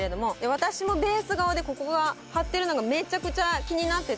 私もベース顔でここが張ってるのがめちゃくちゃ気になってて。